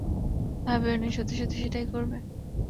ভাবিওনি সত্যি সত্যি সেটাই করবে!